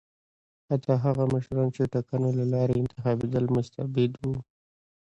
حتی هغه مشران چې ټاکنو له لارې انتخابېدل مستبد وو.